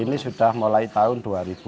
ini sudah mulai tahun dua ribu